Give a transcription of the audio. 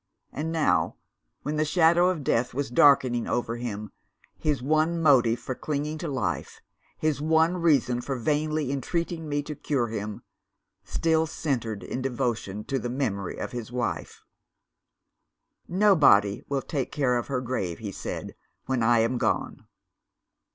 And now, when the shadow of death was darkening over him, his one motive for clinging to life, his one reason for vainly entreating me to cure him, still centred in devotion to the memory of his wife. 'Nobody will take care of her grave,' he said, 'when I am gone.